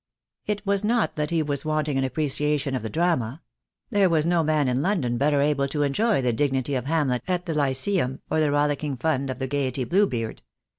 It was not that he was wanting in apprecia tion of the drama. There was no man in London better able to enjoy the dignity of Hamlet at the Lyceum, or the rollicking fun of the Gaiety Bluebeard.